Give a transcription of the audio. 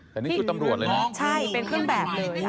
ใช่เป็นเครื่องแบบเลย